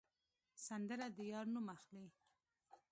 سندره د یار نوم اخلي